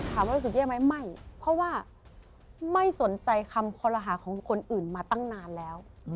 รู้สึกแย่ไหมไม่เพราะว่าไม่สนใจคำคอรหาของคนอื่นมาตั้งนานแล้ว